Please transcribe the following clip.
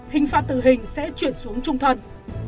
hình phạt tử hình sẽ chuyển xuống trung thần